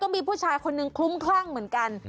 และก็มีผู้ชายคนหนึ่งคลุ้มคร่างเหมือนกัน